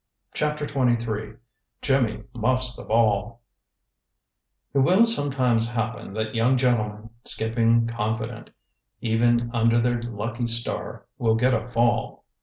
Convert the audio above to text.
CHAPTER XXIII JIMMY MUFFS THE BALL It will sometimes happen that young gentlemen, skipping confident, even under their lucky star, will get a fall.